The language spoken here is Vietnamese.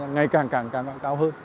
ngày càng càng cao hơn